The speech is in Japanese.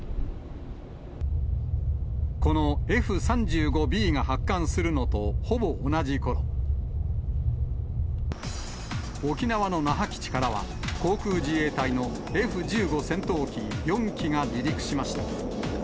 このＦー３５Ｂが発艦するのとほぼ同じころ、沖縄の那覇基地からは、航空自衛隊のＦー１５戦闘機４機が離陸しました。